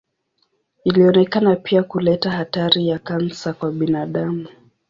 Ilionekana pia kuleta hatari ya kansa kwa binadamu.